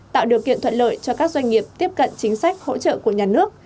tạo điều kiện thuận lợi cho các doanh nghiệp tiếp cận chính sách hỗ trợ của nhà nước